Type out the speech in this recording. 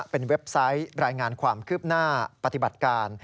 เป็นเว็บไซต์รายงานความคืบหน้าปฏิบัติการ